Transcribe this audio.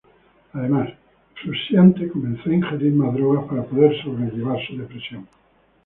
Además, Frusciante comenzó a ingerir más drogas para poder sobrellevar su depresión.